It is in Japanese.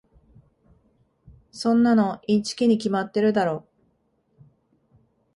そんなのインチキに決まってるだろ。